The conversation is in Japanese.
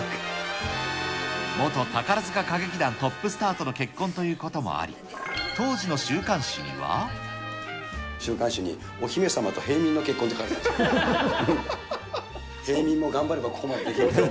元宝塚歌劇団トップスターとの結婚ということもあり、当時の週刊週刊誌に、お姫様と平民の結婚って書いてあったんですよ。